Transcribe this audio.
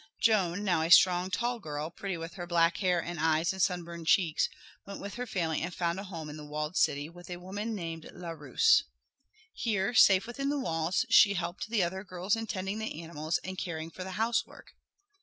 Joan, now a tall strong girl, pretty with her black hair and eyes and sunburned cheeks, went with her family and found a home in the walled city with a woman named La Rousse. Here, safe within the walls, she helped the other girls in tending the animals and caring for the housework.